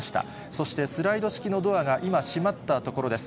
そしてスライド式のドアが今、閉まったところです。